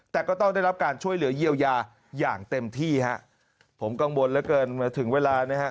แต่ก็ต้องได้รับการช่วยเหลือเยียวยาอย่างเต็มที่ฮะผมกังวลเหลือเกินมาถึงเวลานะฮะ